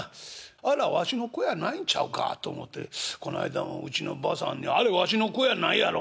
あらわしの子やないんちゃうかと思てこの間もうちのばあさんに『あれわしの子やないやろ』